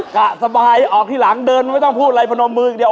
กะสบายออกที่หลังเดินไม่ต้องพูดอะไรพนมมืออย่างเดียว